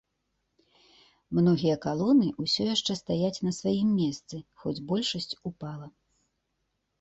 Многія калоны ўсё яшчэ стаяць на сваім месцы, хоць большасць упала.